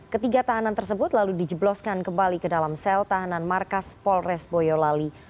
ketiga tahanan tersebut lalu dijebloskan kembali ke dalam sel tahanan markas polres boyolali